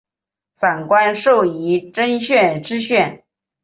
散馆授仪征县知县。